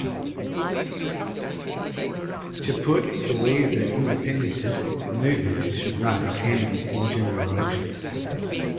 Chaput believed that independentist movement should run candidates in general elections.